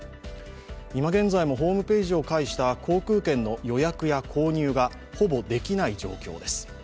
今現在もホームページを介した航空券の予約や購入がほぼできない状況です。